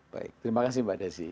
baik terima kasih mbak desi